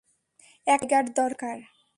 একটা জায়গার দরকার।